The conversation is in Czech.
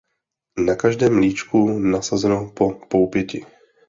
Na každém líčku nasázeno po poupěti.